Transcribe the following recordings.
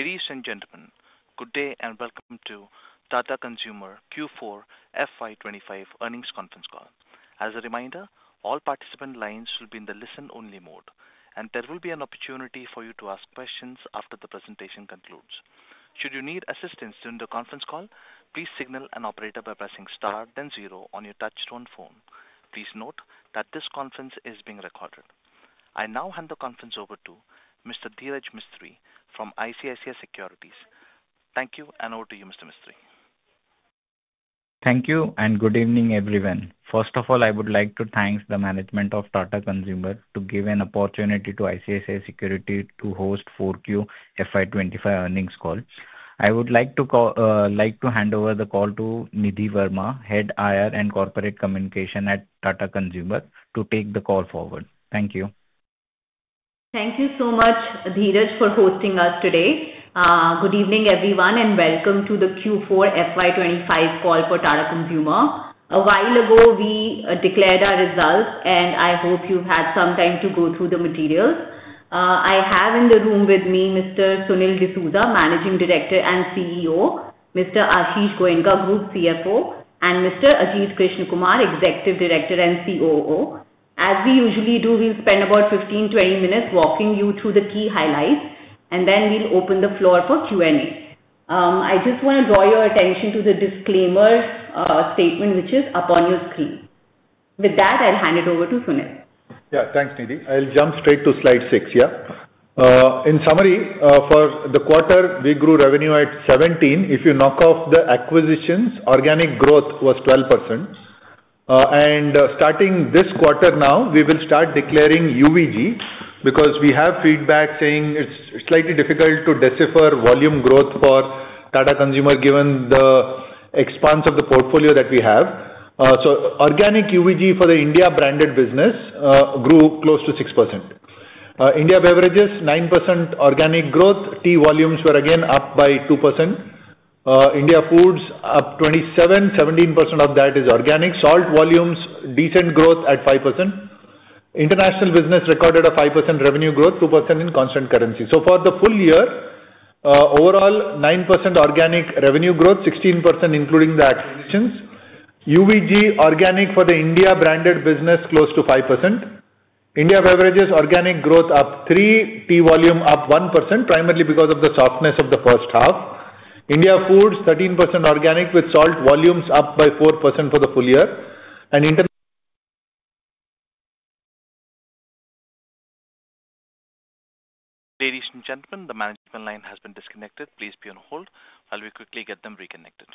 Ladies and gentlemen, good day and Welcome to Tata Consumer Q4 FY25 earnings conference call. As a reminder, all participant lines will be in the listen only mode. There will be an opportunity for you to ask questions after the presentation concludes. Should you need assistance during the conference call, please signal an operator by pressing star then zero on your touchtone phone. Please note that this conference is being recorded. I now hand the conference over to Mr. Dhiraj Mistry from ICICI Securities. Thank you. Over to you, Mr. Mistry. Thank you and good evening everyone. First of all I would like to. Thank the management of Tata Consumer. Give an opportunity to ICICI Securities to. Host 4Q FY25 earnings call. I would like to hand over the call to Nidhi Verma, Head IR and. Corporate Communication at Tata Consumer to take the call forward. Thank you. Thank you so much Dhiraj for hosting us today. Good evening everyone and Welcome to the Q4 FY2025 call for Tata Consumer Products. A while ago we declared our results and I hope you've had some time to go through the materials. I have in the room with me Mr. Sunil D'Souza, Managing Director and CEO, Mr. Ashish Goenka, Group CFO, and Mr. Ajit Krishna Kumar, Executive Director and COO. As we usually do, we'll spend about 15-20 minutes walking you through the key highlights and then we'll open the floor for Q&A. I just want to draw your attention to the disclaimer statement which is up on your screen. With that I'll hand it over to Sunil. Yeah, thanks Nidhi. I'll jump straight to slide 6. In summary, for the quarter we grew revenue at 17%. If you knock off the acquisitions, organic growth was 12%. Starting this quarter now we will start declaring UVG because we have feedback saying it's slightly difficult to decipher volume growth for Tata Consumer given the expanse of the portfolio that we have. Organic UVG for the India branded business grew close to 6%. India beverages 9% organic growth. Tea volumes were again up by 2%. India foods up 27%. 17% of that is organic. Salt volumes decent growth at 5%. International business recorded a 5% revenue growth, 2% in constant currency. For the full year overall 9% organic revenue growth, 16% including the acquisitions. UVG organic for the India branded business close to 5%. India beverages organic growth up 3%. Tea volume up 1%. Primarily because of the softness of the first half. India foods 13% organic with salt volumes up by 4% for the full year. Ladies and gentlemen, the management line has been disconnected. Please be on hold while we quickly get them reconnected.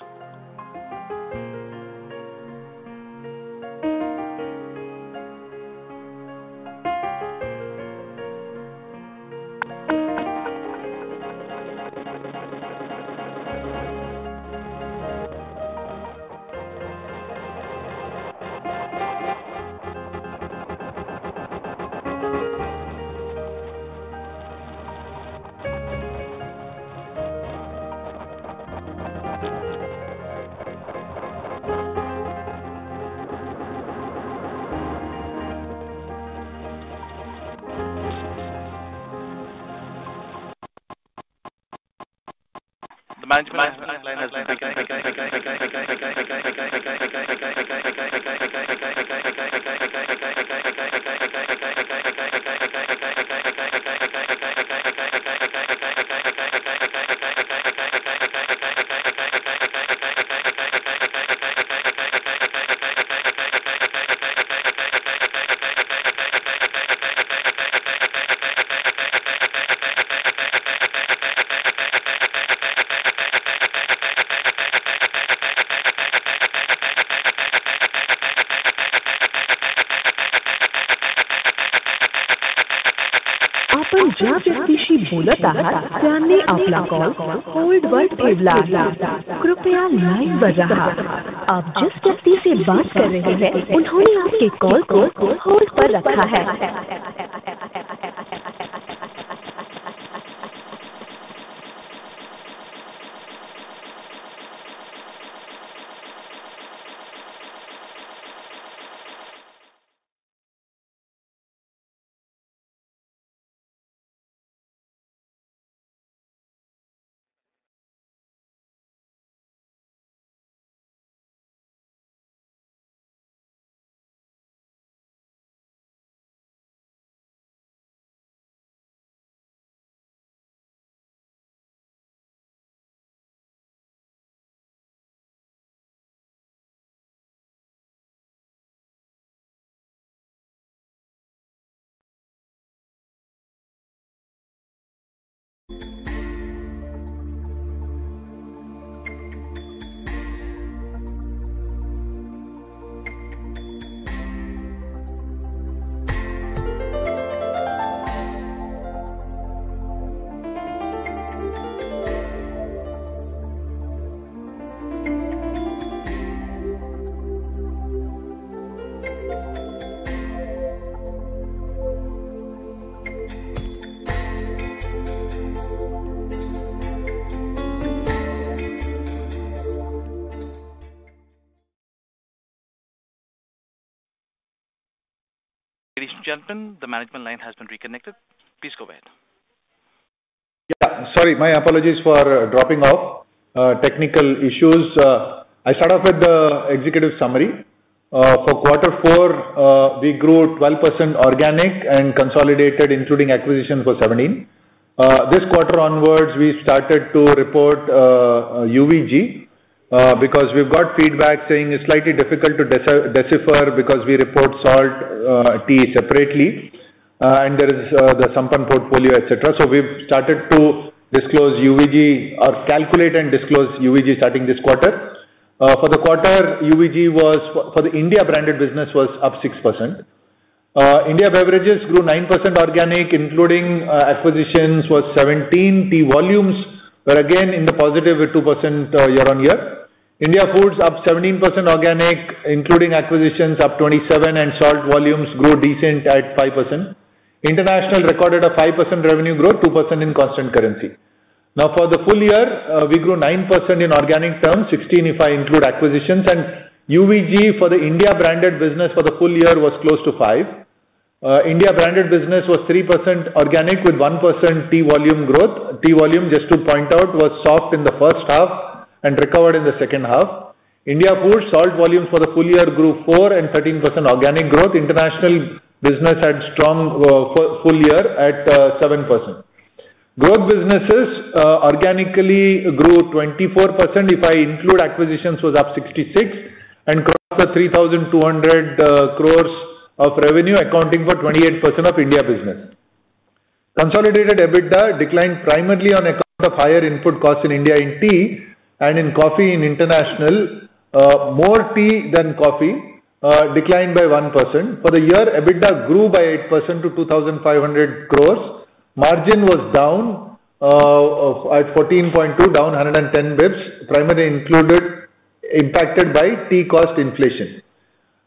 Ladies and gentlemen, the management line has been reconnected. Please go ahead. Yeah, sorry. My apologies for dropping off, technical issues. I start off with the executive summary for quarter four. We grew 12% organic and consolidated including acquisition for 17% this quarter onwards. We started to report UVG because we've got feedback saying it's slightly difficult to decipher because we report salt, tea separately and there is the Sampann portfolio, etc. We have started to disclose UVG or calculate and disclose UVG starting this quarter. For the quarter, UVG for the India branded business was up 6%. India beverages grew 9%, organic including acquisitions was 17%. Tea volumes were again in the positive with 2% year on year. India foods up 17%, organic including acquisitions up 27%. Salt volumes grew decent at 5%. International recorded a 5% revenue growth, 2% in constant currency. Now for the full year we grew 9% in organic terms, 16% if I include acquisitions, and UVG for the India branded business for the full year was close to 5%. India branded business was 3% organic with 1% tea volume growth. Tea volume, just to point out, was soft in the first half and recovered in the second half. India Food salt volumes for the full year grew 4% and 13% organic growth. International business had strong full year at 7% growth. Businesses organically grew 24%. If I include acquisitions, was up 66% and crossed the 3,200 crore of revenue, accounting for 28% of India business consolidated. EBITDA declined primarily on account of higher input costs in India in tea and in coffee. In International, more tea than coffee declined by 1%. For the year, EBITDA grew by 8% to 2,500 crore. Margin was down at 14.2%, down 110 basis points, primarily impacted by tea cost inflation.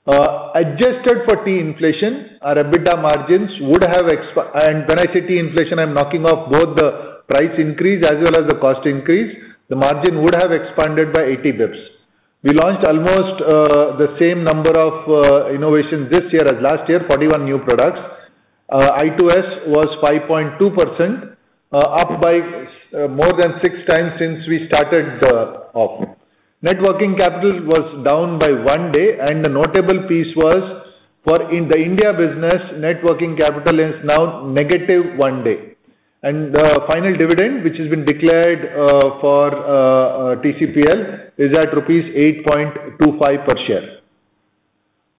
Adjusted for tea inflation, our EBITDA margins would have expanded. When I say tea inflation, I am knocking off both the price increase as well as the cost increase. The margin would have expanded by 80 basis points. We launched almost the same number of innovations this year as last year: 41 new products. I2S was 5.2%, up by more than six times since we started off. Net working capital was down by one day. The notable piece was for the India business: net working capital is now negative one day. The final dividend which has been declared for TCPL is at INR 8.25% per share.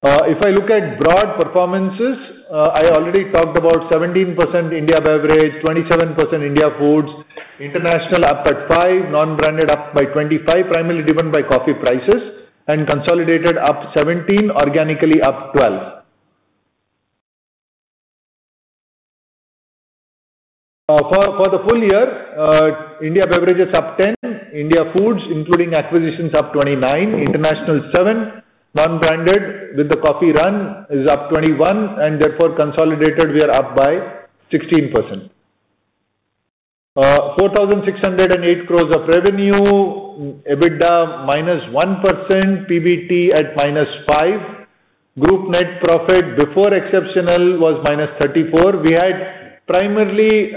If I look at broad performances, I already talked about 17%. India Beverage 27%, India Foods International up at 5%, non branded up by 25%, primarily driven by coffee prices and consolidated up 17% organically upped 12%. For the full year, India Beverages up 10%. India Foods including acquisitions up 29%. International 7%, non branded with the coffee run is up 21% and therefore consolidated we are up by 16%. INR 4,608 crore of revenue, EBITDA -1%. PBT at -5%. Group net profit before exceptional was -34%. We had primarily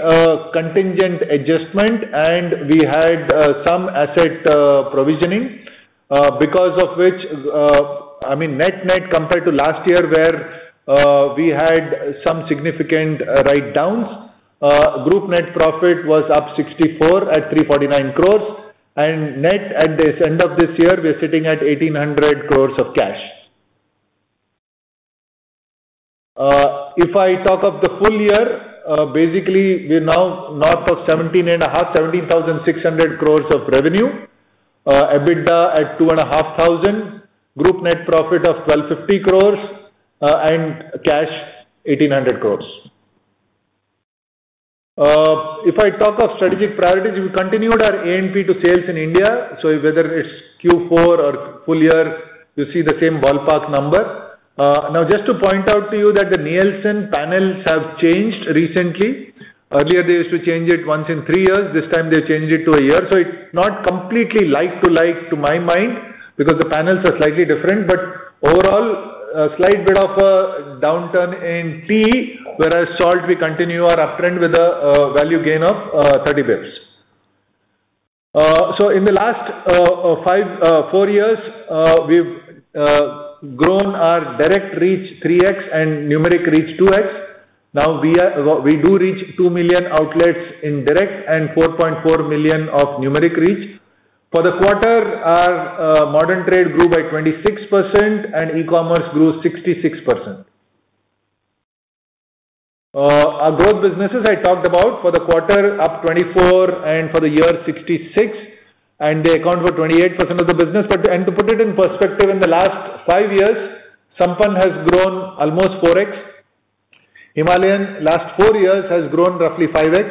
contingent adjustment and we had some asset provisioning because of which, I mean, net net, compared to last year where we had some significant write downs, group net profit was up 64% at 349 crore and net. At the end of this year we're sitting at 1,800 crore of cash. If I talk of the full year, basically we're now north of 17.5%, 17,600 crore of revenue. EBITDA at 2,500. Group net profit of 1,250 crore and cash 1,800 crore. If I talk of strategic priorities, we continued our A&P to sales in India. Whether it's Q4 or full year, you see the same ballpark number. Now just to point out to you that the Nielsen panels have changed recently. Earlier they used to change it once in three years. This time they changed it to a year. It's not completely like to like to my mind because the panels are slightly different, but overall a slight bit of a downturn in PE. Whereas salt, we continue our uptrend with a value gain of 30 basis points. In the last four years we've grown our direct reach 3x and numeric reach 2x. Now we do reach 2 million outlets, indirect, and 4.4 million of numeric reach. For the quarter, our modern trade grew by 26% and e-commerce grew 66%. Our growth businesses I talked about for the quarter up 24% and for the year 2066 and they account for 28% of the business. To put it in perspective, in the last five years Sampann has grown almost 4x. Himalayan last four years has grown roughly 5x.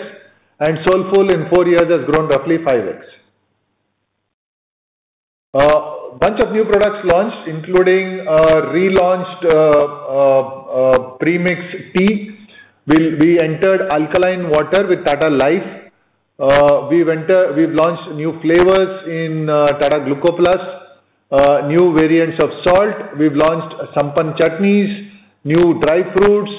Soulful in four years has grown roughly 5x. Bunch of new products launched including relaunched Premix Tea. We entered alkaline water with Tata Life. We've launched new flavors in Tata Gluco+, new variants of salt. We've launched Sampann Chutneys, new dry fruits.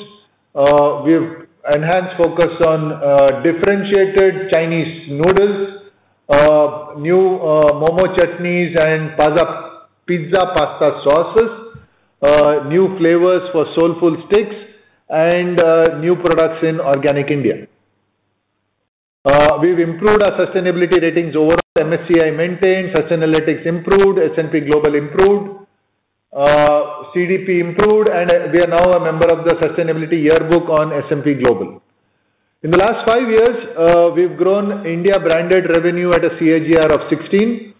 We have enhanced focus on differentiated Chinese noodles. New Momo Chutneys and pizza pasta sauces, new flavors for Soulful sticks and new products in Organic India. We've improved our sustainability ratings overall. MSCI maintained, search analytics improved, S&P Global improved, CDP improved, and we are now a member of the Sustainability Yearbook on S&P Global. In the last five years, we've grown India branded revenue at a CAGR of 16%,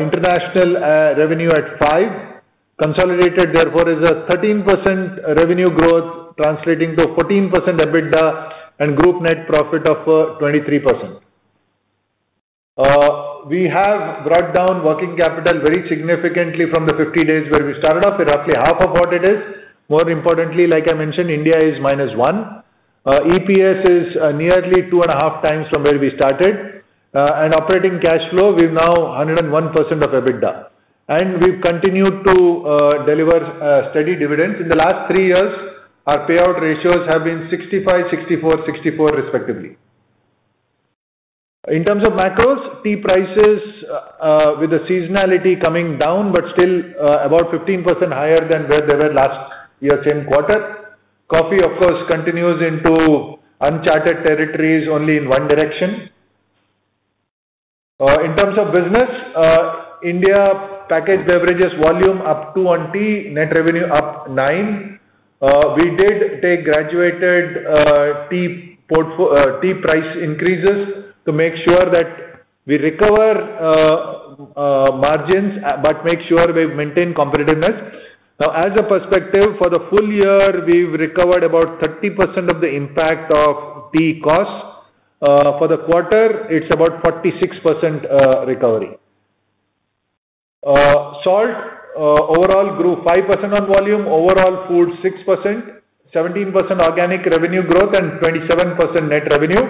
international revenue at 5%, consolidated therefore is a 13% revenue growth translating to 14% EBITDA and group net profit of 23%. We have brought down working capital very significantly from the 50 days where we started off with, roughly half of what it is. More importantly, like I mentioned, India is -1, EPS is nearly two and a half times from where we started, and operating cash flow. We've now 101% of EBITDA, and we've continued to deliver steady dividends. In the last three years, our payout ratios have been 65%, 64%, 64% respectively. In terms of macros, tea prices with the seasonality coming down but still about 15% higher than where they were last year. Year 10 quarter coffee of course continues into uncharted territories only in one direction in terms of business. India packaged beverages volume up 21 tea net revenue up 9%. We did take graduated tea price increases to make sure that we recover margins but make sure we maintain competitiveness. Now as a perspective for the full year we recovered about 30% of the impact of tea costs. For the quarter it's about 46% recovery. Salt overall grew 5% on volume overall, food 6%, 17% organic revenue growth and 27% net revenue.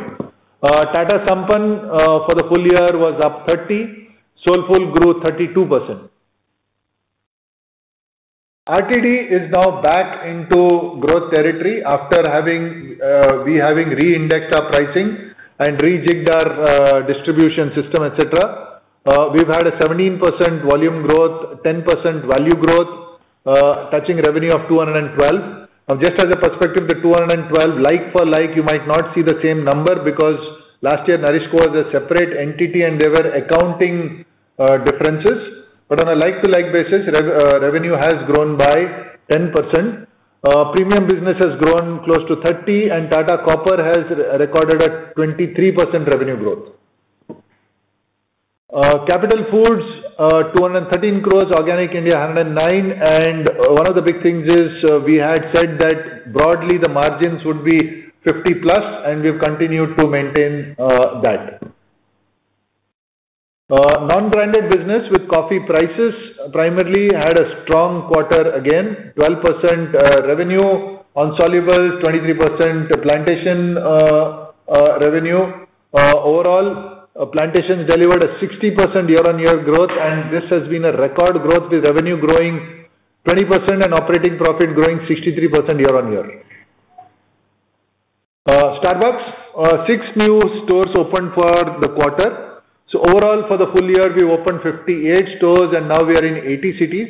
Tata Sampann for the full year was up 30%, Soulful grew 32%. RTD is now back into growth territory after having reindexed our pricing and rejigged our distribution system etc. We've had a 17% volume growth, 10% value growth touching revenue of 212 crore. Just as a perspective, the 212 crore like for like you might not see the same number because last year Nourishco was a separate entity and there were accounting differences, but on a like to like basis revenue has grown by 10%, premium business has grown close to 30%, and Tata Copper+ has recorded a 23% revenue growth. Capital Foods 213 crore, Organic India 109 crore, and one of the big things is we had said that broadly the margins would be 50% plus and we have continued to maintain that. Non-branded business with coffee prices primarily had a strong quarter again, 12% revenue on soluble, 23% plantation revenue. Overall, plantations delivered a 60% year-on-year growth and this has been a record growth with revenue growing 20% and operating profit growing 63% year on year. Starbucks six new stores opened for the quarter. Overall for the full year we opened 58 stores and now we are in 80 cities.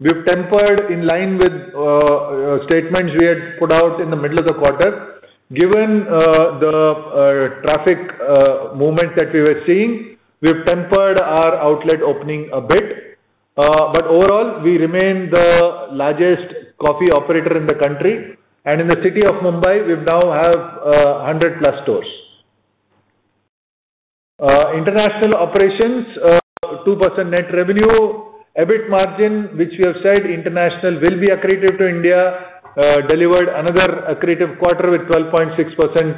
We have tempered in line with statements we had put out in the middle of the quarter given the traffic movement that we were seeing. We have tempered our outlet opening a bit, but overall we remain the largest coffee operator in the country and in the city of Mumbai we now have 100 plus stores. International operations 2% net revenue EBITDA margin which we have said international will be accretive to India delivered another accretive quarter with 12.6%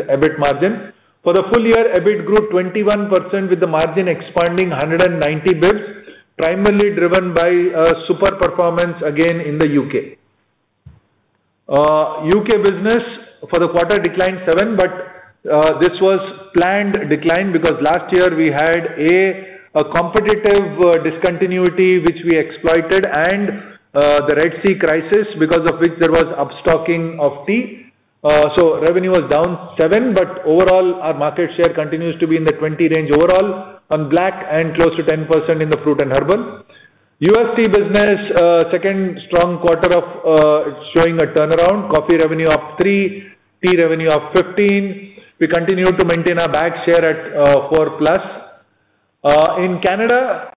EBITDA margin. For the full year EBITDA grew 21% with the margin expanding 190 basis points primarily driven by super performance again in the U.K. U.K. business for the quarter declined 7% but this was a planned decline because last year we had a competitive discontinuity which we exploited and the Red Sea crisis because of which there was upstocking of tea. Revenue was down 7%. Overall our market share continues to be in the 20% range overall on black and close to 10% in the fruit and herbal U.S. tea business. Second strong quarter showing a turnaround. Coffee revenue of 3%, tea revenue of 15%. We continue to maintain our bag share at 4% plus in Canada.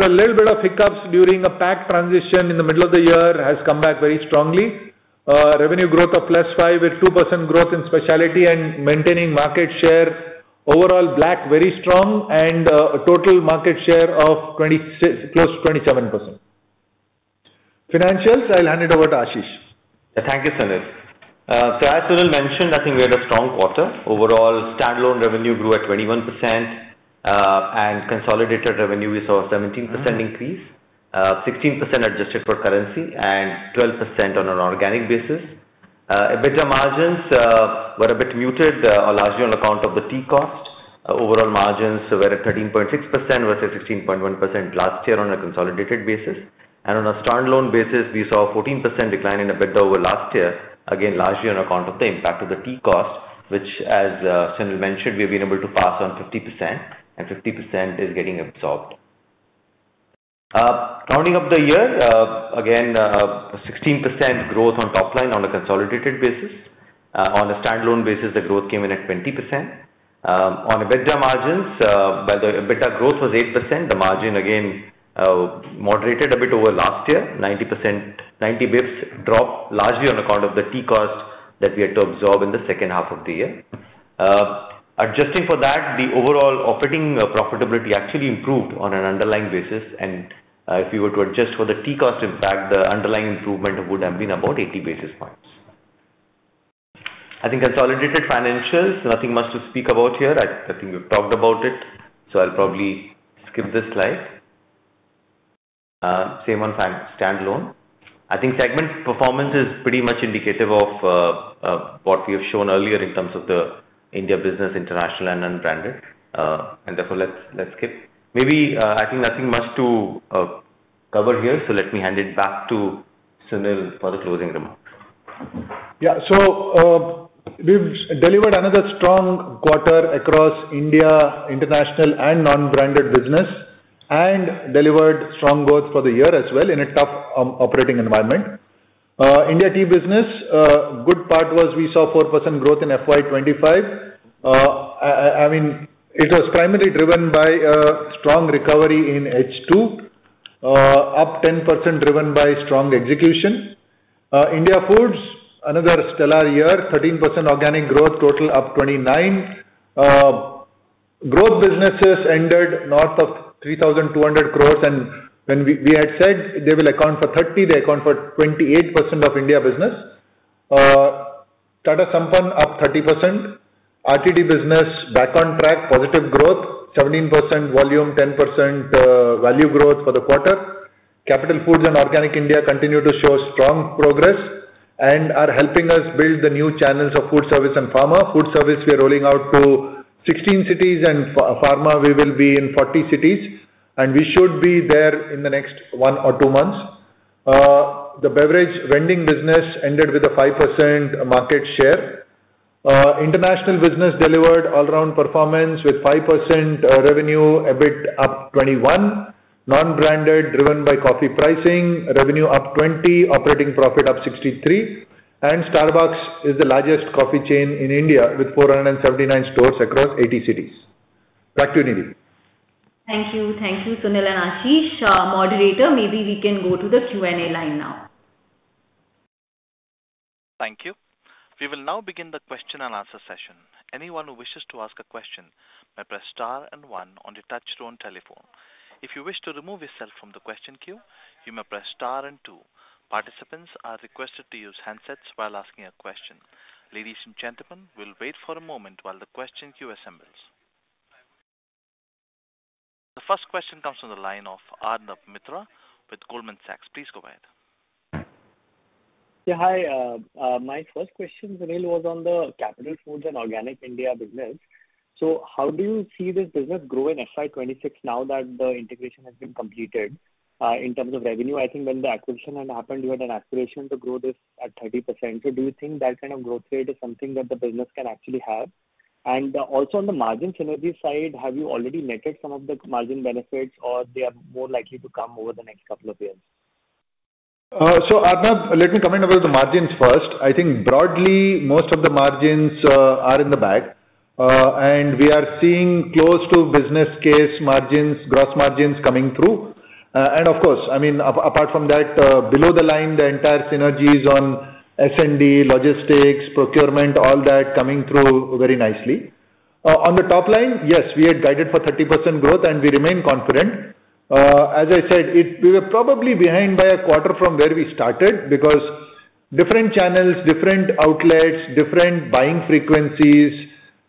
A little bit of hiccups during a pack transition in the middle of the year has come back very strongly. Revenue growth of plus 5% with 2% growth in specialty and maintaining market share overall. Black very strong and a total market share of close to 27%. Financials. I'll hand it over to Ashish. Thank you Sunil. As Sunil mentioned I think we had a strong quarter overall. Standalone revenue grew at 21% and consolidated revenue we saw a 17% increase, 16% adjusted for currency and 12% on an organic basis. EBITDA margins were a bit muted largely on account of the tea cost. Overall margins were at 13.6% versus 16.1% last year. On a consolidated basis and on a standalone basis we saw a 14% decline in EBITDA over last year, again largely on account of the impact of the tea cost which as Sunil mentioned we have been able to pass on 50% and 50% is getting absorbed. Rounding up the year again 16% growth on top line on a consolidated basis. On a standalone basis the growth came in at 20% on EBITDA margins, EBITDA growth was 8%. The margin again moderated a bit over last year, 90 basis points dropped largely on account of the tea cost that we had to absorb in the second half of the year. Adjusting for that, the overall operating profitability actually improved on an underlying basis. If we were to adjust for the tea cost impact, the underlying improvement would have been about 80 basis points, I think. Consolidated financials, nothing much to speak about here. I think we've talked about it, so I'll probably skip this slide. Same one standalone, I think segment performance is pretty much indicative of what we have shown earlier in terms of the India business, international, and unbranded, and therefore let's skip. Maybe I think nothing much to, so let me hand it back to Sunil for the closing remarks. Yeah, so we've delivered another strong quarter across India, international, and non-branded business and delivered strong growth for the year as well in a tough operating environment. India tea business, good part was we saw 4% growth in FY 2025. I mean it was primarily driven by a strong recovery in H2, up 10%, driven by strong execution. India foods, another stellar year. 13% organic growth, total up 29%, growth businesses ended north of 3,200 crore, and we had said they will account for 30%. They account for 28% of India business. Tata Sampann up 30%. RTD business back on track. Positive growth, 17% volume, 10% value growth for the quarter. Capital Foods and Organic India continue to show strong progress and are helping us build the new channels of food service and pharma. Food service we are rolling out to 16 cities and pharma we will be in 40 cities and we should be there in the next one or two months. The beverage vending business ended with a 5% market share. International business delivered all around performance with 5% revenue. EBITDA up 21%. Non branded driven by coffee pricing revenue up 20%, operating profit up 63% and Starbucks is the largest coffee chain in India with 479 stores across 80 cities. Back to you Nidhi. Thank you. Thank you. Sunil and Ashish, Moderator, maybe we can go to the Q&A line now. Thank you. We will now begin the question and answer session. Anyone who wishes to ask a question press star and one on the touch tone telephone. If you wish to remove yourself from the question queue you may press star and two. Participants are requested to use handsets while asking a question. Ladies and gentlemen, we'll wait for a moment while the question queue assembles. The first question comes from the line of Arnab Mitra with Goldman Sachs. Please go ahead. Hi, my first question was on the Capital Foods and Organic India business. How do you see this business grow in FY 2026 now that the integration has been completed? In terms of revenue, I think when the acquisition had happened you had an aspiration to grow this at 30%. Do you think that kind of growth rate is something that the business can actually have? Also, on the margin synergy side, have you already met some of the margin benefits or are they more likely to come over the next couple of years? Arnab, let me comment about the margins first. I think broadly most of the margins are in the bag and we are seeing close to business case margins, gross margins coming through and of course I mean apart from that below the line, the entire synergies on SMD, logistics, procurement, all that coming through very nicely on the top line. Yes, we had guided for 30% growth and we remain confident. As I said we were probably behind by a quarter from where we started because different channels, different outlets, different buying frequencies,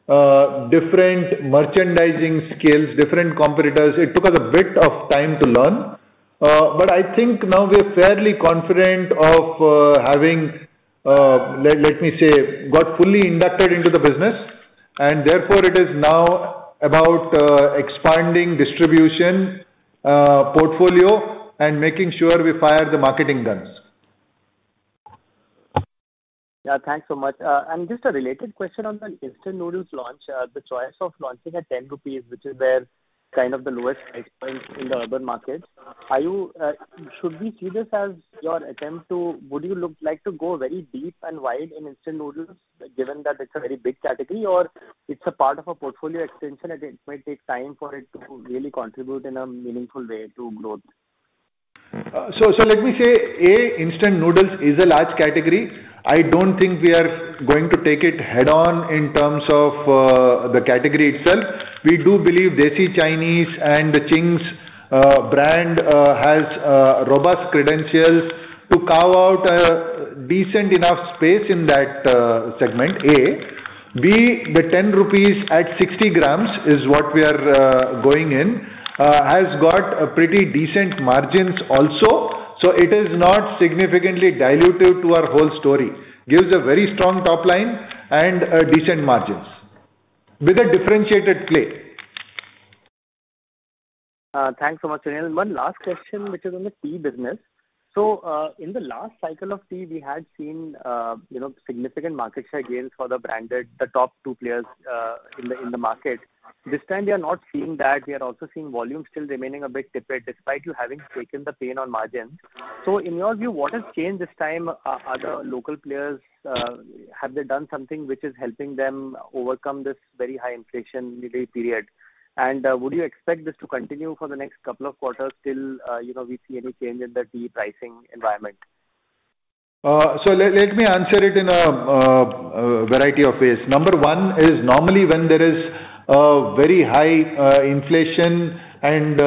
different merchandising skills, different competitors. It took us a bit of time to learn but I think now we're fairly confident of having, let me say got fully inducted into the business and therefore it is now about expanding distribution portfolio and making sure we fire the marketing guns. Yeah, thanks so much. Just a related question on the instant noodles launch, the choice of launching at 10 rupees, which is where kind of the lowest price point in the urban market is, should we see this as your attempt to, would you look to go very deep and wide in instant noodles given that it's a very big category, or is it a part of a portfolio extension and it might take time for it to really contribute in a meaningful way to growth? Let me say instant noodles is a large category. I don't think we are going to take it head on in terms of the category itself. We do believe Desi Chinese and the Ching's brand has robust credentials to carve out a decent enough space in that segment A B the 10 rupees at 60 grams is what we are going in has got pretty decent margins also, so it is not significantly dilutive to our whole story. Gives a very strong top line and decent margins with a differentiated play. Thanks so much, Sunil. One last question, which is on the tea business. In the last cycle of tea, we had seen significant market share gains for the branded, the top two players in the market. This time, we are not seeing that. We are also seeing volume still remaining a bit different despite you having taken the pain on margins. In your view, what has changed this time? Other local players, have they done something which is helping them overcome this very high inflationary period? Would you expect this to continue for the next couple of quarters till you know we see any change in the pricing environment? Let me answer it in a variety of ways. Number one is normally when there is a very high inflation and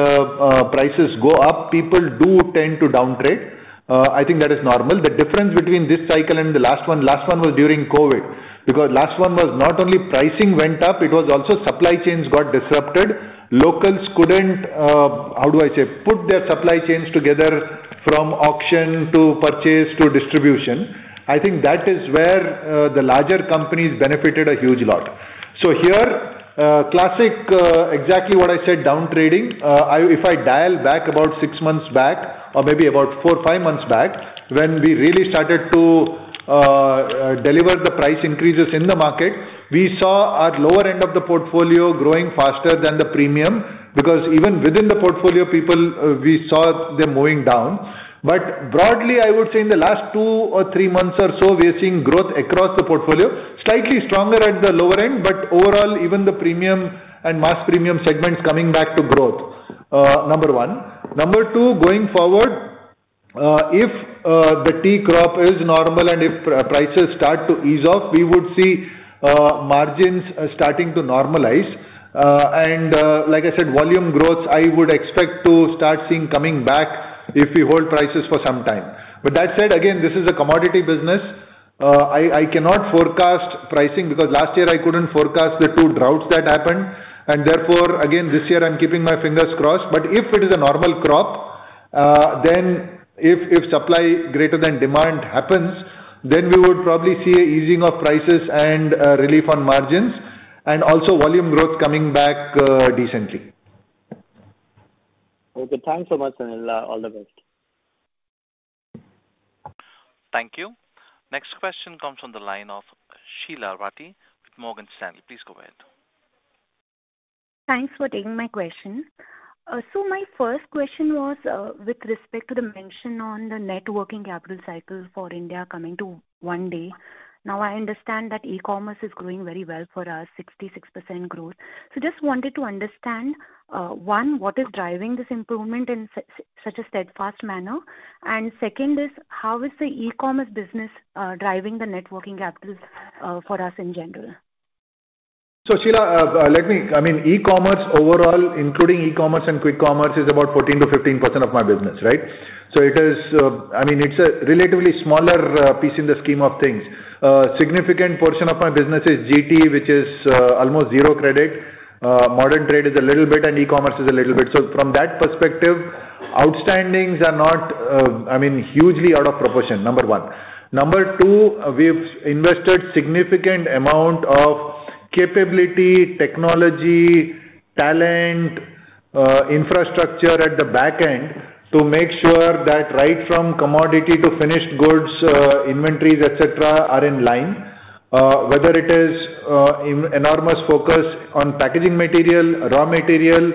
prices go up, people do tend to down trade. I think that is normal. The difference between this cycle and the last one, last one was during COVID because last one was not only pricing went up, it was also supply chains got disrupted. Locals could not, how do I say, put their supply chains together. From auction to purchase to distribution. I think that is where the larger companies benefited a huge lot. Here classic exactly what I said. Down trading, if I dial back about six months back or maybe about four, five months back when we really started to deliver the price increases in the market, we saw our lower end of the portfolio growing faster than the premium because even within the portfolio people we saw them moving down. Broadly I would say in the last two or three months or so we are seeing growth across the portfolio, slightly stronger at the lower end. Overall even the premium and mass premium segments coming back to growth, number one. Number two, going forward if the tea crop is normal and if prices start to ease off, we would see margins starting to normalize and like I said volume growth I would expect to start seeing coming back if we hold prices for some time. That said again this is a commodity business. I cannot forecast pricing because last year I couldn't forecast the two droughts that happened and therefore again this year I'm keeping my fingers crossed. If it is a normal crop then if supply greater than demand happens then we would probably see easing of prices and relief on margins and also volume growth coming back decently. Okay, thanks so much Sunil. All the best. Thank you. Next question comes on the line of Sheela Rathi, Morgan Stanley. Please go ahead. Thanks for taking my question. My first question was with respect to the mention on the net working capital cycle for India coming to one day. I understand that e-commerce is growing very well for us, 66% growth. I just wanted to understand, one, what is driving this improvement in such a steadfast manner, and second is how is the e-commerce business driving the net working capital for us in general? Sheila, let me, I mean e-commerce overall, including E-commerce and quick commerce, is about 14%-15% of my business, right? It is, I mean, it's a relatively smaller piece in the scheme of things. Significant portion of my business is GT, which is almost zero credit. Modern trade is a little bit, and e-commerce is a little bit. From that perspective, outstandings are not, I mean, hugely out of proportion, number one. Number two, we've invested significant amount of capability, technology, talent, infrastructure at the back end to make sure that right from commodity to finished goods, inventories, etc., are in line. Whether it is enormous focus on packaging material, raw material,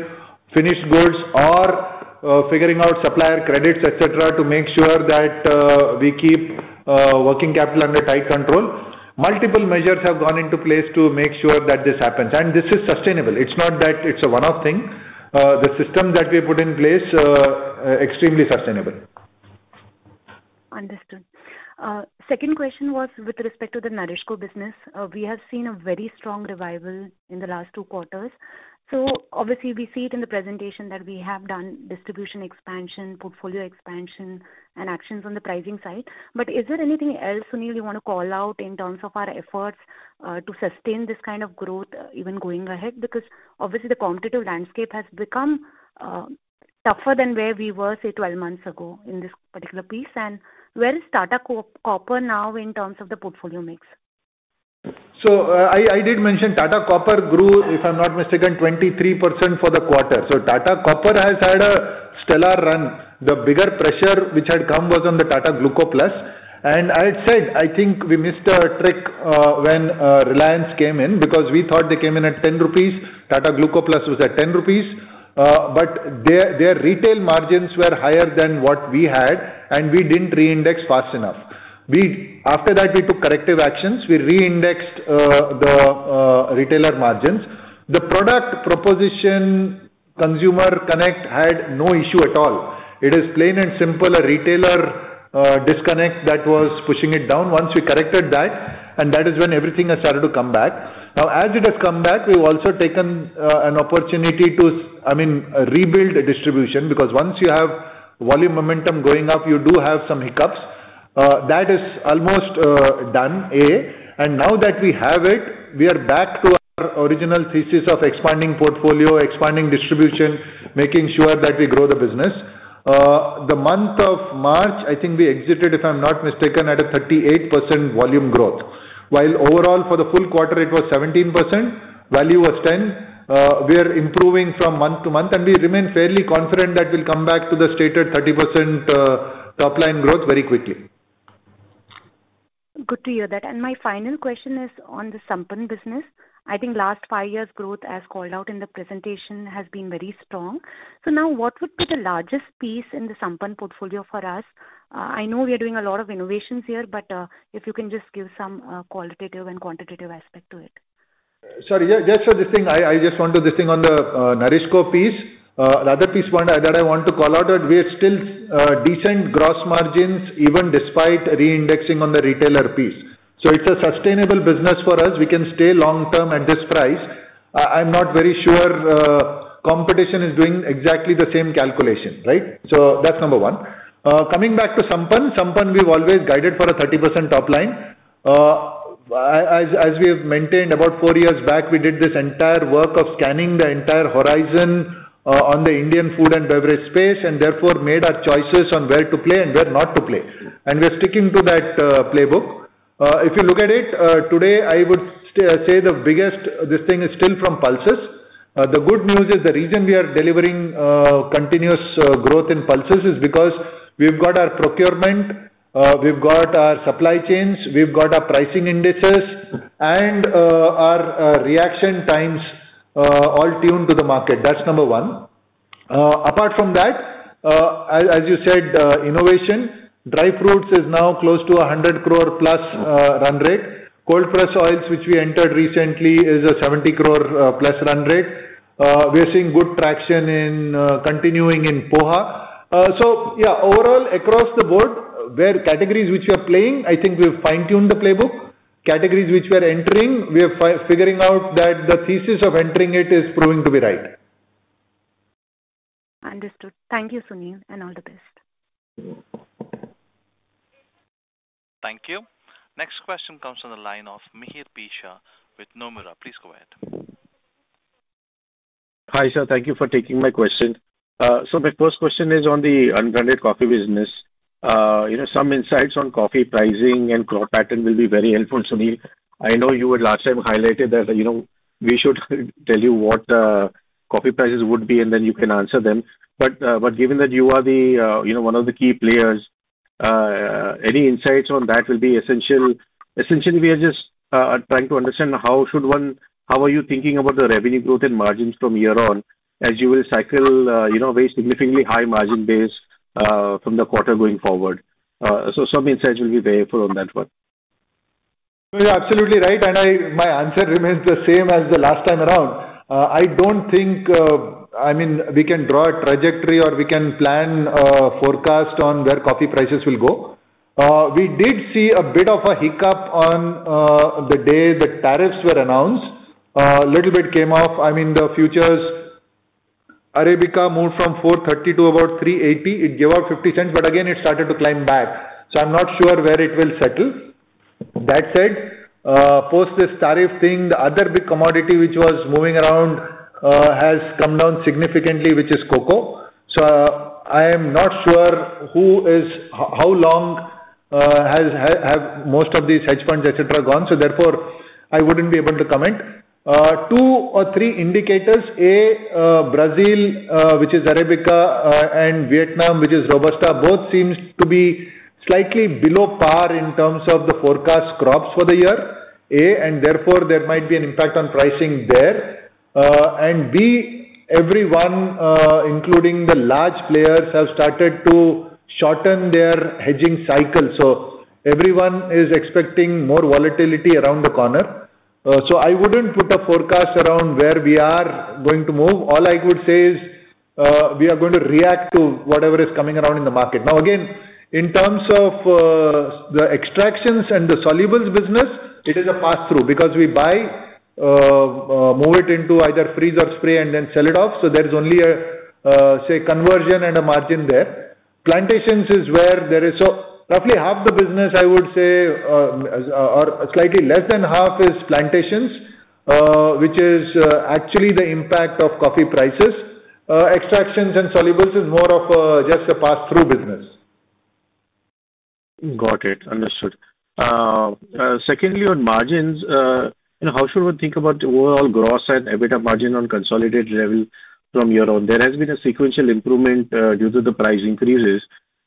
finished goods, or figuring out supplier credits, etc., to make sure that we keep working capital under tight control. Multiple measures have gone into place to make sure that this happens and this is sustainable. It's not that it's a one-off thing. The system that we put in place is extremely sustainable. Understood. Second question was with respect to the Nourishco business, we have seen a very strong revival in the last two quarters. We see it in the presentation that we have done. Distribution expansion, portfolio expansion and actions on the pricing side. Is there anything else, Sunil, you want to call out in terms of our efforts to sustain this kind of growth even going ahead? The competitive landscape has become tougher than where we were say 12 months ago in this particular piece. Where is Tata Copper now in terms of the portfolio mix? I did mention Tata Copper+ grew, if I'm not mistaken, 23% for the quarter. Tata Copper+ has had a stellar run. The bigger pressure which had come was on the Tata Gluco+. I had said I think we missed a trick when Reliance came in because we thought they came in at 10 rupees. Tata Gluco+ was at 10 rupees but their retail margins were higher than what we had and we didn't reindex fast enough. After that we took corrective actions. We reindexed the retailer margins. The product proposition, consumer connect had no issue at all. It is plain and simple a retailer disconnect that was pushing it down. Once we corrected that and that is when everything has started to come back. Now as it has come back, we've also taken an opportunity to, I mean, rebuild distribution because once you have volume momentum going up, you do have some hiccups. That is almost done. Now that we have it, we are back to our original thesis of expanding portfolio, expanding distribution, making sure that we grow the business. The month of March I think we exited if I am not mistaken at a 38% volume growth while overall for the full quarter it was 17%, value was 10%. We are improving from month to month and we remain fairly confident that we'll come back to the stated 30% top line growth very quickly. Good to hear that. My final question is on the Sampan business. I think last five years growth as called out in the presentation has been very strong. Now what would be the largest piece in the Sampan portfolio for us? I know we are doing a lot of innovations here but if you can just give some qualitative and quantitative aspect to it. Sorry, just for this thing I just want to. This thing on the NourishCo piece, the other piece that I want to call out, we are still decent gross margins even despite reindexing on the retailer piece. It is a sustainable business for us. We can stay long term at this price. I'm not very sure competition is doing exactly the same calculation. That's number one. Coming back to Sampann. Sampann we've always guided for a 30% top line as we have maintained about four years back. We did this entire work of scanning the entire horizon on the Indian food and beverage space and therefore made our choices on where to play and where not to play. We're sticking to that playbook. If you look at it today, I would say the biggest thing is still from pulses. The good news is the reason we are delivering continuous growth in pulses is because we've got our procurement, we've got our supply chains, we've got our pricing indices and our reaction times all tuned to the market. That's number one. Apart from that as you said innovation, Dry Fruits is now close to 1 billion plus run rate. Cold pressed oils which we entered recently is a 700 million plus run rate. We're seeing good traction in continuing in Poha. Overall across the board where categories which we are playing, I think we have fine tuned the playbook categories which we are entering. We are figuring out that the thesis of entering it is proving to be right. Understood. Thank you Sunil and all the best. Thank you. Next question comes from the line of Mihir P. Shah with Nomura. Please go ahead. Hi sir, thank you for taking my question. My first question is on the unbranded coffee business. You know some insights on coffee pricing and crop pattern will be very helpful. Sunil, I know you last time highlighted that. You know we should tell you what coffee prices would be and then you can answer them. But. Given that you are the, you know, one of the key players, any insights on that will be essential. Essentially, we are just trying to understand how should one, how are you thinking about the revenue growth and margins from year on as you will cycle, you know, very significantly high margin base from the quarter going forward? Some insights will be very full on that one. You're absolutely right and my answer remains the same as the last time around. I don't think, I mean, we can draw a trajectory or we can plan forecast on where coffee prices will go. We did see a bit of a hiccup on the day the tariffs were announced. A little bit came off. I mean, the futures Arabica moved from 430 to about 380, it gave out 50 cents but again it started to climb back. I'm not sure where it will settle. That said, post this tariff thing, the other big commodity which was moving around has come down significantly, which is cocoa. I am not sure how long have most of these hedge funds etc. gone. Therefore, I wouldn't be able to comment. Two or three indicators. A Brazil which is Arabica and Vietnam which is Robusta both seem to be slightly below par in terms of the forecast crops for the year and therefore there might be an impact on pricing there and B everyone including the large players have started to shorten their hedging cycle so everyone is expecting more volatility around the corner. I would not put a forecast around where we are going to move. All I would say is we are going to react to whatever is coming around in the market. Now again in terms of the extractions and the Solubles business, it is a pass through because we buy, move it into either freeze or spray and then sell it off. There is only a conversion and a margin there. Plantations is where there is roughly half the business I would say or slightly less than half is plantations, which is actually the impact of coffee prices. Extractions and Solubles is more of just a pass-through business. Got it? Understood. Secondly, on margins, how should we think about overall gross and EBITDA margin on consolidated revenue from year on? There has been a sequential improvement due to the price increases.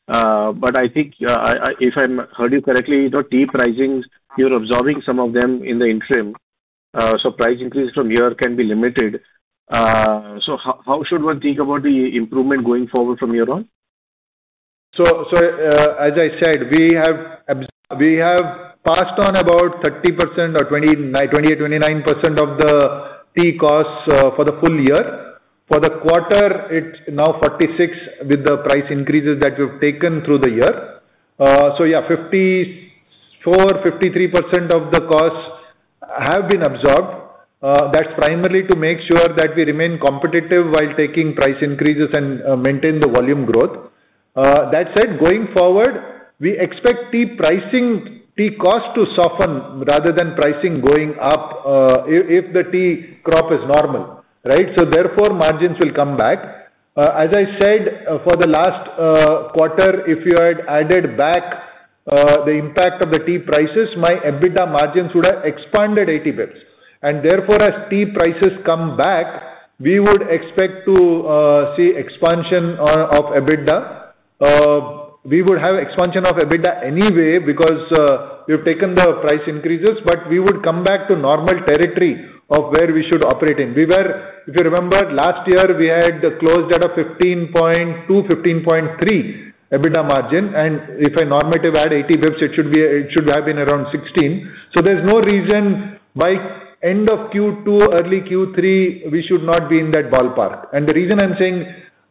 I think if I heard you correctly, tea pricings, you're absorbing some of them in the interim. Price increase from here can be limited. How should one think about the improvement going forward from here on? As I said, we have passed on about 30% or 28%-29% of the tea costs for the full year. For the quarter, it is now 46% with the price increases that we have taken through the year. Yeah, 54%-53% of the costs have been absorbed. That is primarily to make sure that we remain competitive while taking price increases and maintain the volume growth. That said, going forward, we expect tea cost to soften rather than pricing going up if the tea crop is normal. Therefore, margins will come back. As I said, for the last quarter, if you had added back the impact of the tea prices, my EBITDA margins would have expanded 80 basis points and therefore as tea prices come back, we would expect to see expansion of EBITDA. We would have expansion of EBITDA anyway because we have taken the price increases but we would come back to normal territory of where we should operate in. If you remember last year we had closed at a 15.2%-15.3% EBITDA margin and if I normative add 80 basis points it should have been around 16%. There is no reason by end of Q2 early Q3 we should not be in that ballpark. The reason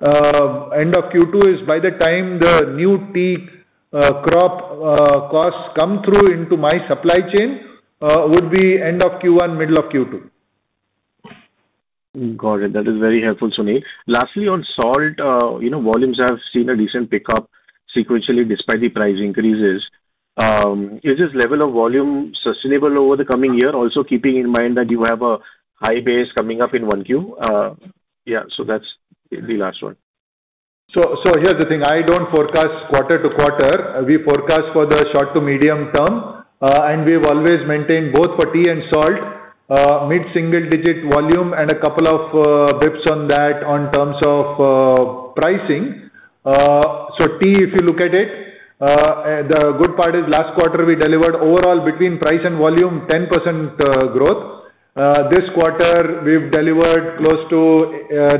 I'm saying end of Q2 is by the time the new tea crop costs come through into my supply chain would be end of Q1 middle of Q2. Got it. That is very helpful, Sunil. Lastly, on salt, volumes have seen a decent pickup sequentially despite the price increases. Is this level of volume sustainable over the coming year? Also, keeping in mind that you have a high base coming up in one quarter, yeah, so that's the last one. Here's the thing. I don't forecast quarter to quarter. We forecast for the short to medium term and we've always maintained both for tea and salt, mid single digit volume and a couple of basis points on that in terms of pricing. If you look at it, the good part is last quarter we delivered overall between price and volume 10% growth. This quarter we've delivered close to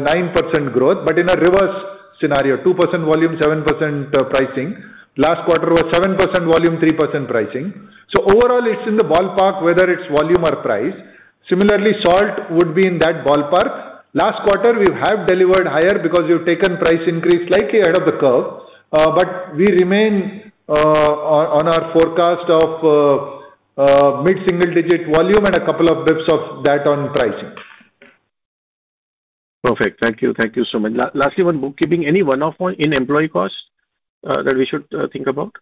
9% growth, but in a reverse scenario: 2% volume, 7% pricing; last quarter was 7% volume, 3% pricing. Overall, it's in the ballpark, whether it's volume or price. Similarly, salt would be in that ballpark. Last quarter we have delivered higher because we've taken price increase slightly ahead of the curve, but we remain on our forecast of mid single digit volume and a couple of basis points of that on pricing. Perfect. Thank you. Thank you so much. Lastly, one bookkeeping, any one-off one in employee cost that we should think about?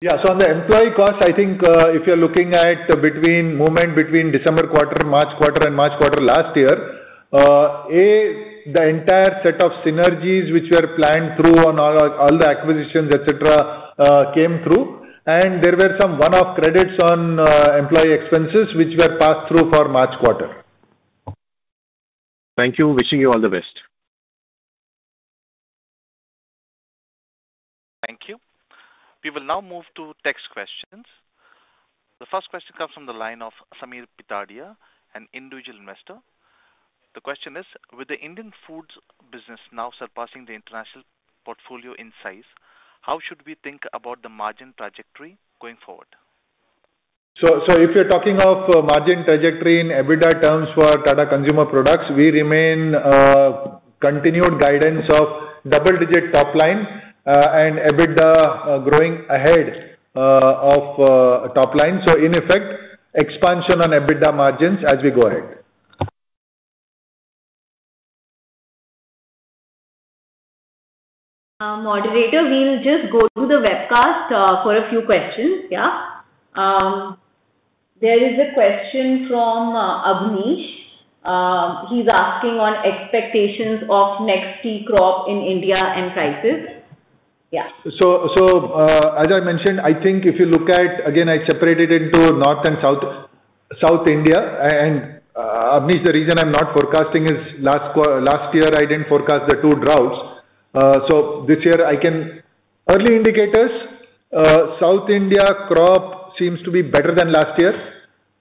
Yeah, so on the employee cost, I think if you're looking at between movement between December quarter, March quarter, and March quarter last year, the entire set of synergies which were planned through on all the acquisitions, etc., came through, and there were some one-off credits on employee expenses which were passed through for March quarter. Thank you. Wishing you all the best. Thank you. We will now move to text questions. The first question comes from the line of Sameer Pitadia, individual investor. The question is with the Indian foods business now surpassing the international portfolio in size, how should we think about the margin trajectory going forward? If you're talking of margin trajectory in EBITDA terms for Tata Consumer Products, we remain continued guidance of double digit top line and EBITDA growing ahead of top line. In effect, expansion on EBITDA margins as we go ahead. Moderator, we'll just go to the webcast for a few questions. There is a question from Abneesh. He's asking on expectations of next tea crop in India and crisis. Yeah, As I mentioned I think if you look at again I separated into North and South, South India and Amnesh. The reason I'm not forecasting is last year I didn't forecast the two droughts, so this year I can early indicators South India crop seems to be better than last year.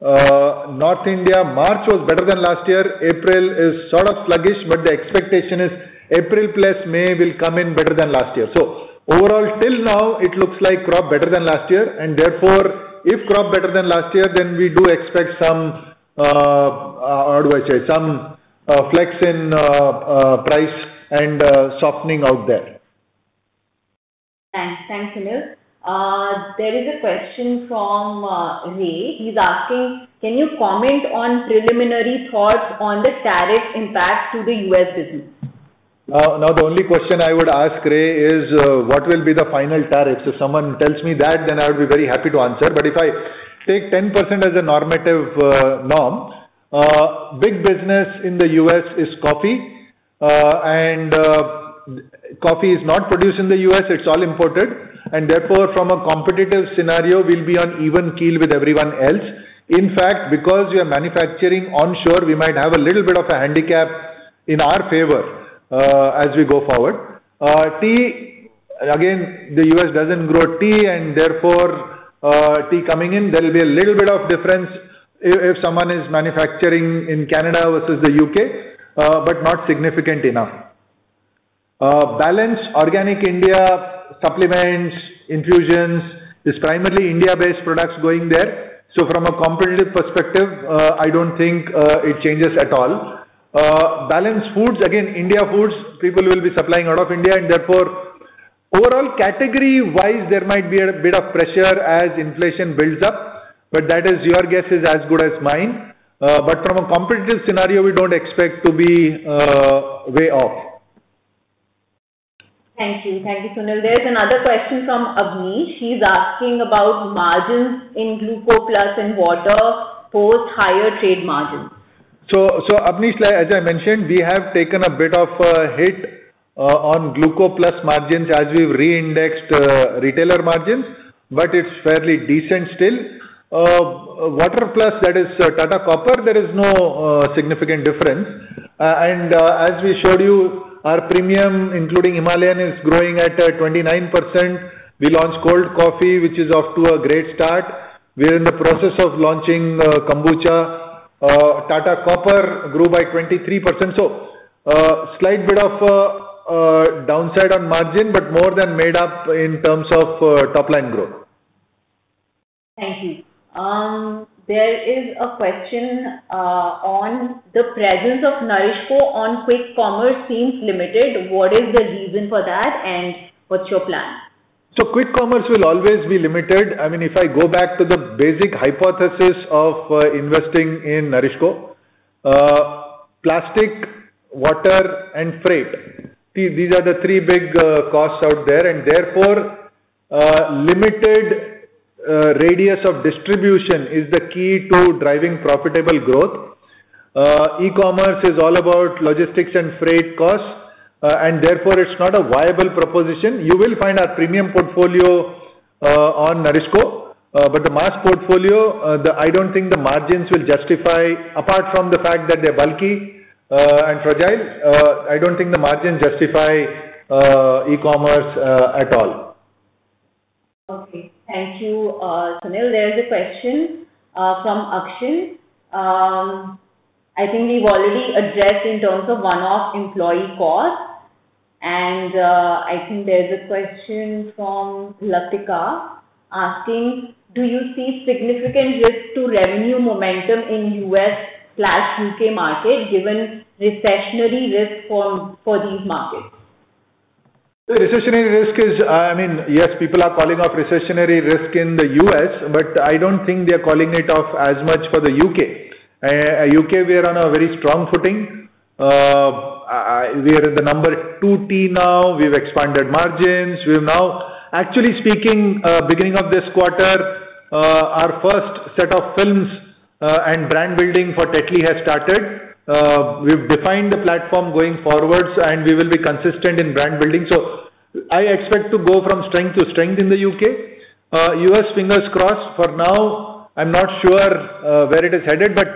North India March was better than last year. April is sort of sluggish, but the expectation is April plus May will come in better than last year. Overall till now it looks like crop better than last year and therefore if crop better than last year then we do expect some flex in price and softening out there. Thanks, Sunil. There is a question from Ray. He's asking can you comment on preliminary thoughts on the tariff impact to the U.S. business. Now the only question I would ask Ray is what will be the final tariffs. If someone tells me that then I would be very happy to answer. If I take 10% as a normative norm, big business in the U.S. is coffee and coffee is not produced in the U.S., it's all imported and therefore from a competitive scenario we'll be on even keel with everyone else. In fact, because we are manufacturing onshore, we might have a little bit of a handicap in our favor as we go forward. Tea, again, the U.S. doesn't grow tea and therefore there will be a little bit of difference if someone is manufacturing in Canada versus the U.K., but not significant enough. Balance Organic India supplements, infusions is primarily India-based products going there. From a competitive perspective, I don't think it changes at all. Balanced foods, again, India foods people will be supplying out of India, and therefore overall category wise there might be a bit of pressure as inflation builds up. That is, your guess is as good as mine. From a competitive scenario, we do not expect to be way off. Thank you. Thank you. Sunil, there's another question from Abneesh. He's asking about margins in Gluco+ and water post higher trade margins. As I mentioned, we have taken a bit of hit on Gluco+ margins as we've reindexed retailer margins, but it's fairly decent. Still water plus, that is Tata Copper, there is no significant difference. As we showed you, our premium including Himalayan is growing at 29%. We launched cold coffee, which is off to a great start. We are in the process of launching Kombucha. Tata Copper grew by 23%. So, slight bit of downside on margin but more than made up in terms of top line growth. Thank you. There is a question on the presence of NourishCo on quick commerce seems limited. What is the reason for that and what's your plan? Quick commerce will always be limited. I mean if I go back to the basic hypothesis of investing in NourishCo. Course. Plastic, water and freight, these are the three big costs out there and therefore limited radius of distribution is the key to driving profitable growth. E-commerce is all about logistics and freight costs and therefore it's not a viable proposition. You will find our premium portfolio on NourishCo, but the mass portfolio, I don't think the margins will justify apart from the fact that they're bulky and fragile, I don't think the margins justify e-commerce at all. Okay, thank you. Sunil, there's a question from Akshin I think we've already addressed in terms of one-off employee cost and I think there's a question from Latika asking do you see significant risk to revenue momentum in U.S. U.K. market given recessionary risk for these markets? Recessionary risk is. I mean yes, people are calling off recessionary risk in the U.S. but I don't think they're calling it off as much for the U.K. U.K. we are on a very strong footing. We are at the number two tea now. We've expanded margins. We've now actually speaking beginning of this quarter our first set of films and brand building for Tetley has started. We've defined the platform going forward and we will be consistent in brand building. I expect to go from strength to strength in the U.K. U.S. Fingers crossed. For now I'm not sure where it is headed but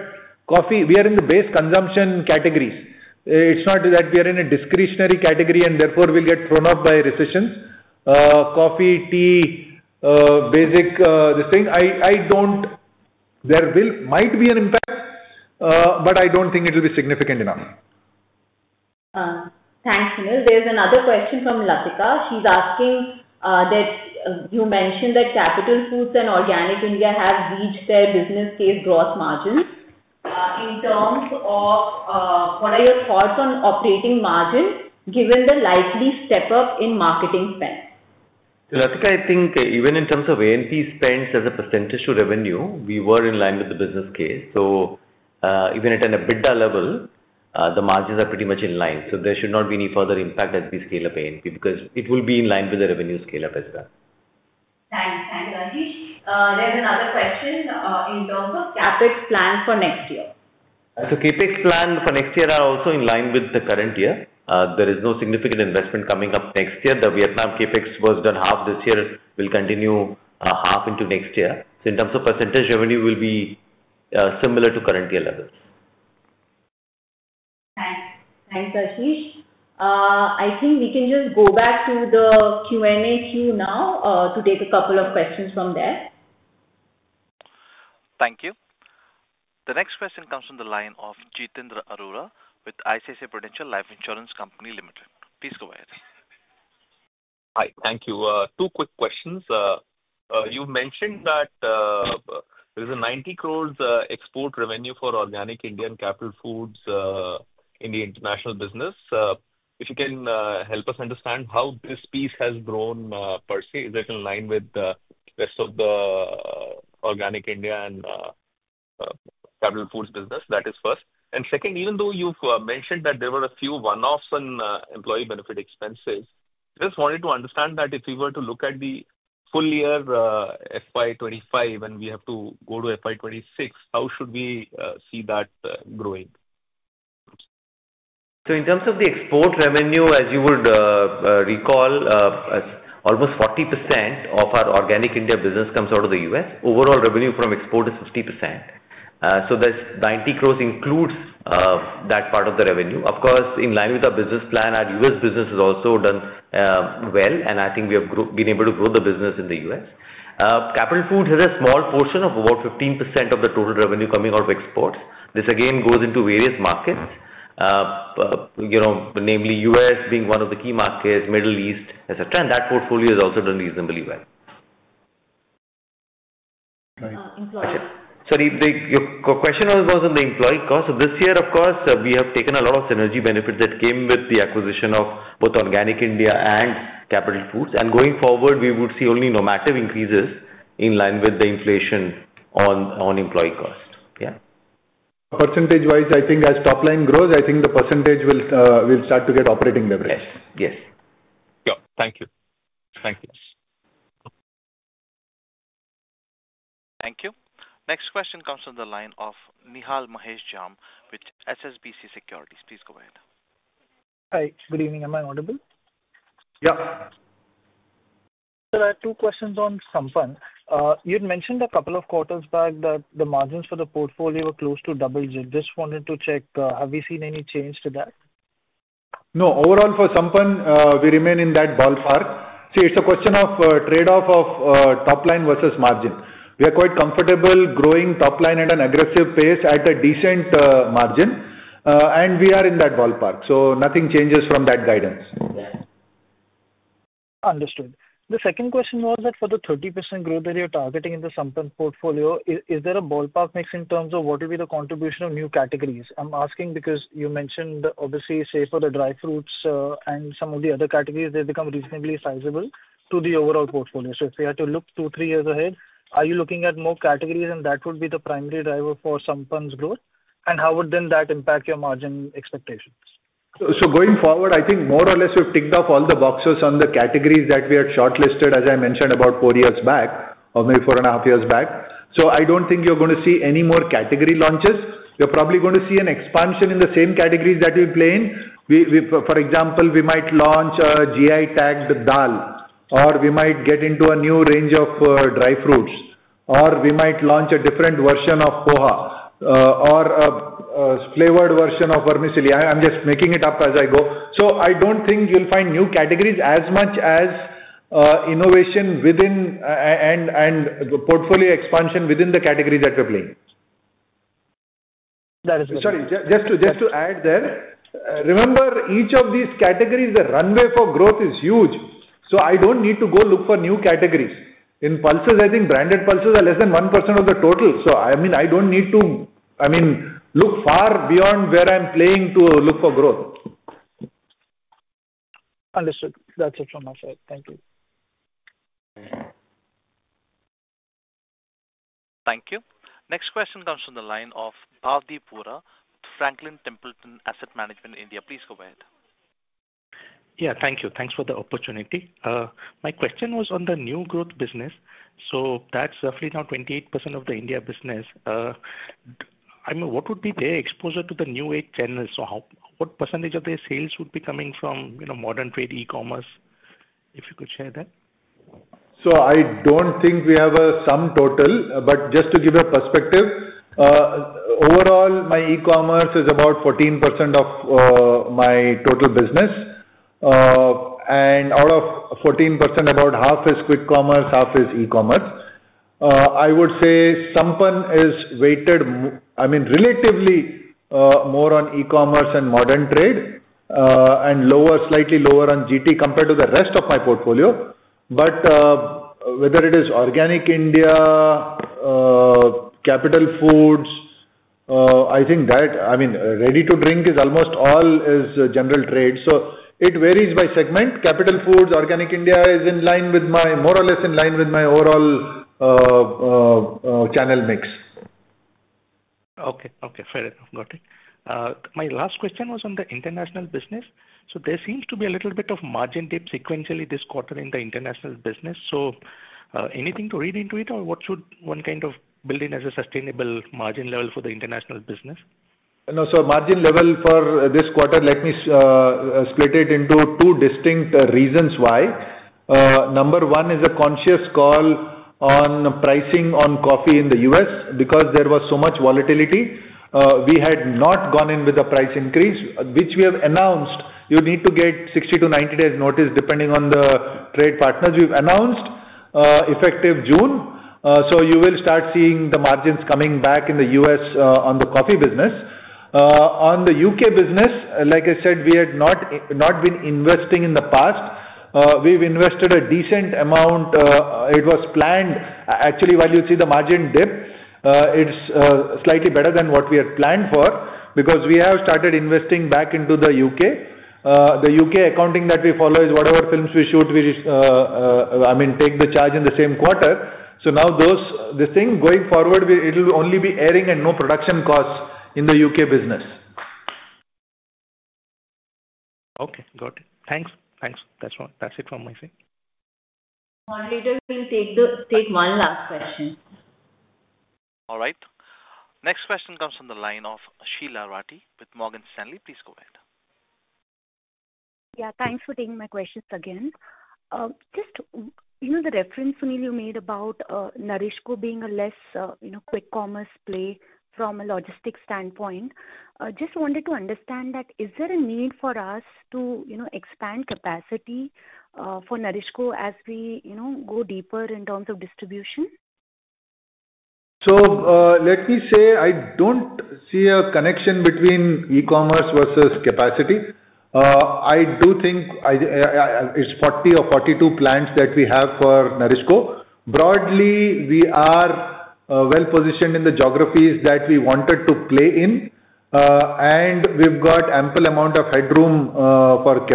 coffee, we are in the base consumption categories. It's not that we are in a discretionary category and therefore we'll get thrown off by recessions. Coffee, tea, basic. I don't. There might be an impact but I don't think it will be significant enough. Thanks. There's another question from Latika. She's asking that you mentioned that Capital Foods and Organic India have reached their business case gross margins. In terms of what are your thoughts on operating margin given the likely step up in marketing spend? Rathika I think even in terms of A&P spends as a percentage to revenue we were in line with the business case. Even at an EBITDA level the margins are pretty much in line. There should not be any further impact as we scale up A&P because it will be in line with the revenue scale up as well. Thanks. Thanks Ashish. There's another question in terms of capex plans for next year. The capex plan for next year are also in line with the current year. There is no significant investment coming up next year. The Vietnam capex was done half this year will continue half into next year. In terms of percentage revenue will be similar to current year levels. Thanks Ashish. I think we can just go back to the Q&A queue now to take a couple of questions from there. Thank you. The next question comes from the line of Jitendra Arora with ICICI Prudential Life Insurance Co. Ltd. Please go ahead. Hi. Thank you. Two quick questions. You mentioned that there is 900 million export revenue for Organic India and Capital Foods in the international business. If you can help us understand how this piece has grown per se, is it in line with the rest of the Organic India and Capital Foods business? That is first and second, even though you've mentioned that there were a few one-offs on employee benefit expenses, just. Wanted to understand that if you were. To look at the full year FY 2025 and we have to go to FY 2026, how should we see that growing? In terms of the export revenue, as you would recall almost 40% of our Organic India business comes out of the US. Overall revenue from export is 50%. This 90 crore includes that part of the revenue. Of course, in line with our business plan, our U.S. business has also done well and I think we have been able to grow the business in the U.S. Capital Foods has a small portion of about 15% of the total revenue coming out of exports. This again goes into various markets. Namely. U.S. being one of the key markets, Middle East, and that portfolio is also done reasonably well. Sorry, your question was on the employee cost this year. Of course, we have taken a lot of synergy benefits that came with the acquisition of both Organic India and Capital Foods, and going forward we would see only normative increases in line with the inflation on employee cost. Percentage wise, I. Think as top line grows, I think the percentage will start to get operating leverage. Yes, thank you. Thank you. Thank you. Next question comes from the line of Nihal Mahesh Jam with SSBC Securities. Please go ahead. Hi, good evening. Am I audible? Yeah. There are two questions on Sampan. You'd mentioned a couple of quarters back that the margins for the portfolio were close to double digit. Just wanted to check, have we seen any change to that? No. Overall for Sampan, we remain in that ballpark. See, it's a question of trade off of top line versus margin. We are quite comfortable growing top line at an aggressive pace at a decent margin, and we are in that ballpark. Nothing changes from that guidance. Understood. The second question was that for the 30% growth that you're targeting in the Sampan portfolio, is there a ballpark mix in terms of what will be the contribution of new categories? I'm asking because you mentioned, obviously say for the Dry Fruits and some of the other categories, they become reasonably sizable to the overall portfolio. If you had to look two. Three years ahead, are you looking at? More categories and that would be the primary driver for some funds growth and how would then that impact your margin expectations? Going forward, I think more or less you've ticked off all the boxes on the categories that we had shortlisted, as I mentioned, about four years back or maybe four and a half years back. I don't think you're going to see any more category launches. You're probably going to see an expansion in the same categories that you play in. For example, we might launch a GI tagged Dal, or we might get into a new range of Dry Fruits or we might launch a different version of Poha or a flavored version of Vermicelli. I'm just making it up as I go, so I don't think you'll find new categories as much as innovation within and portfolio expansion within the category that. We'Re playing. Just to add there. Remember, each of these categories, the runway for growth is huge. I do not need to go look for new categories in pulses. I think branded pulses are less than 1% of the total. I do not need to, I mean, look far beyond where I am playing to look for growth. Understood. That's it from my side. Thank you. Thank you. Next question comes from the line of Bhavdeep Vora, Franklin Templeton Asset Management India. Please go ahead. Yeah, thank you. Thanks for the opportunity. My question was on the new growth business. So that's roughly now 28% of the India business. I mean what would be their exposure to the new age channels or what percentage of their sales would be coming from, you know, modern trade, e-commerce, if you could share that. I do not think we have a sum total, but just to give a perspective, overall my e-commerce is about 14% of my total business. Out of 14%, about half is quick commerce, half is e-commerce. I would say Sampann is weighted, I mean, relatively more on e-commerce and modern trade and slightly lower on GT compared to the rest of my portfolio. Whether it is Organic India. Capital. Foods, I think that, I mean ready to drink is almost all is general trade so it varies by segment. Capital Foods, Organic India is more or less in line with my overall channel mix. Okay, okay, fair enough. Got it. My last question was on the international business. There seems to be a little bit of margin dip sequentially this quarter in the international business. Anything to read into it or what should one kind of build in as a sustainable margin level for the international business? Margin level for this quarter, let me split it into two distinct reasons why. Number one is a conscious call pricing on coffee in the U.S. because there was so much volatility we had not gone in with a price increase which we have announced. You need to get 60-90 days notice depending on the trade partners we've announced effective June. You will start seeing the margins coming back in the U.S. on the coffee business. On the U.K. business, like I said, we had not been investing in the past. We've invested a decent amount. It was planned actually. While you see the margin dip, it's slightly better than what we had planned for because we have started investing back into the U.K. The U.K. accounting that we follow is whatever films we shoot, I mean, take the charge in the same quarter. Now, this thing going forward, it will only be airing and no production costs in the U.K. business. Okay, got it. Thanks. Thanks. That's. That's it from my side. Moderator will take the take. One last question. All right, next question comes from the line of Sheela Rathi with Morgan Stanley. Please go ahead. Yeah, thanks for taking my questions again. Just, you know, the reference, Sunil, you made about NourishCo being a less quick commerce play from a logistics standpoint. Just wanted to understand, is there a need for us to expand capacity for NourishCo as we go deeper in terms of distribution. Let me say I don't see a connection between e-commerce versus capacity. I do think it's 40 or 42 plants that we have for NourishCo. Broadly, we are well positioned in the geographies that we wanted to play in and we've got ample amount of headroom for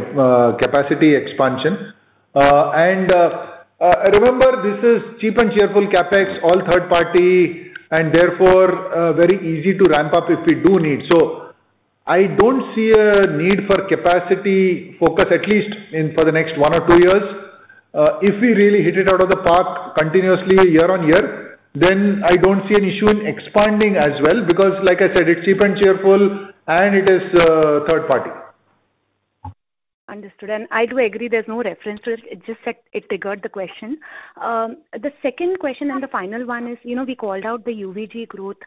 capacity expansion. Remember this is cheap and cheerful capex, all third party, and therefore very easy to ramp up if we do need. I don't see a need for capacity focus at least for the next one or two years. If we really hit it out of the park continuously year on year, then I don't see an issue in expanding as well because like I said, it's cheap and cheerful and it is third party. Understood. I do agree there's no reference to it. It just said it triggered the question. The second question and the final one is we called out the UVG growth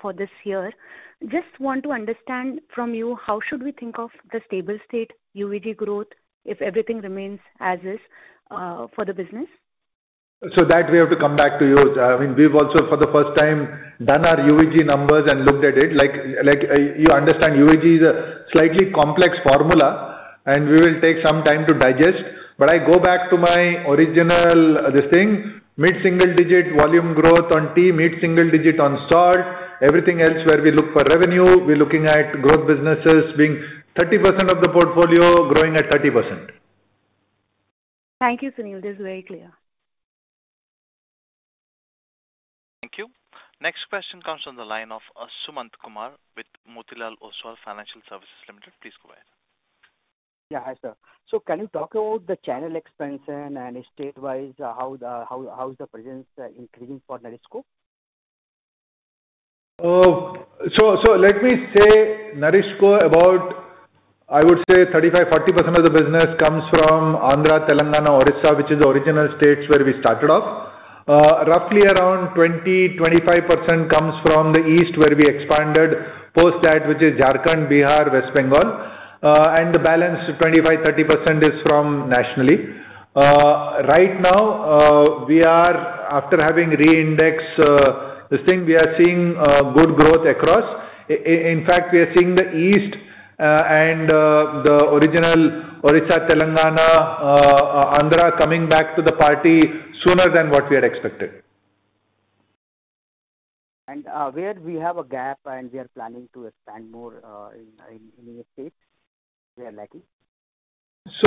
for this year. Just want to understand from you how should we think of the stable state UVG growth if everything remains as is for the business? We have to come back to you. I mean we've also for the first time done our UVG numbers and looked at it. Like you understand, UVG is a slightly complex formula and we will take some time to digest. I go back to my original, this thing, mid single digit volume growth on tea, mid single digit on salt. Everything else where we look for revenue, we're looking at growth businesses being 30% of the portfolio growing at 30%. Thank you Sunil. This is very clear. Thank you. Next question comes from the line of Sumant Kumar with Motilal Oswal Financial Services Ltd. Please go ahead. Yeah, hi sir. Can you talk about the channel expansion and statewide how the how's the presence increase region for NourishCo? Let me say NourishCo, about I would say 35%-40% of the business comes from Andhra, Telangana, Orissa, which is the original states where we started off. Roughly around 20%-25% comes from the east where we expanded post that, which is Jharkhand, Bihar, West Bengal, and the balance 25%-30% is from nationally. Right now, after having re-indexed this thing, we are seeing good growth across. In fact, we are seeing the east and the original Orissa, Telangana, Andhra coming back to the party sooner than what we had expected. Where we have a gap and we are planning to expand more. We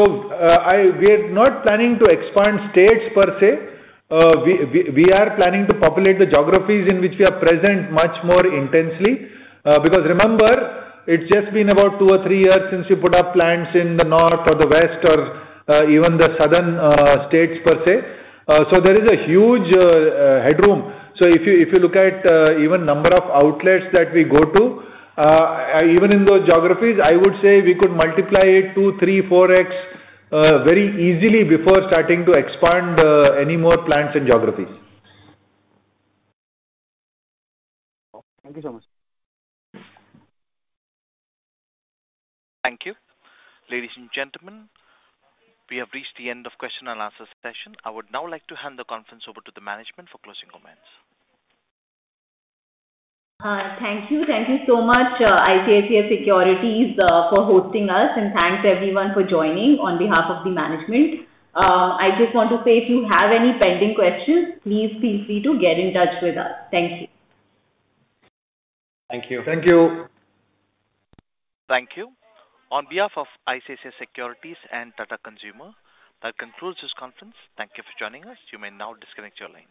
are not planning to expand states per se. We are planning to populate the geographies in which we are present much more intensely. Because remember it has just been about two or three years since you put up plants in the north or the west or even the southern states per se. There is a huge headroom. If you look at even number of outlets that we go to, even in those geographies, I would say we could multiply it 2x, 3x, 4x very easily before starting to expand any more plants and geographies. Thank you so much. Thank you. Ladies and gentlemen, we have reached the end of question and answer session. I would now like to hand the conference over to the management for closing comments. Thank you. Thank you so much ICICI Securities for hosting us and thanks everyone for joining. On behalf of the management, I just want to say if you have any pending questions, please feel free to get in touch with us. Thank you. Thank you. Thank you. Thank you. On behalf of ICICI Securities and Tata Consumer, that concludes this conference. Thank you for joining us. You may now disconnect your lines.